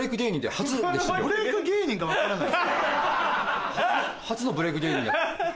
初の初のブレイク芸人なんで。